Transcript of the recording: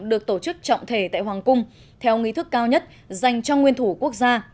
được tổ chức trọng thể tại hoàng cung theo nghi thức cao nhất dành cho nguyên thủ quốc gia